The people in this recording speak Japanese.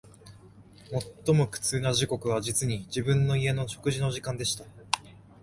最も苦痛な時刻は、実に、自分の家の食事の時間でした